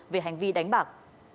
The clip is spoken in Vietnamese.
về hành vi đánh bạc